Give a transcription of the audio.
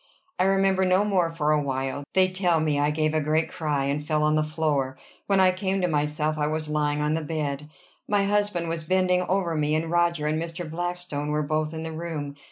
I remember no more for a while. They tell me I gave a great cry, and fell on the floor. When I came to myself I was lying on the bed. My husband was bending over me, and Roger and Mr. Blackstone were both in the room.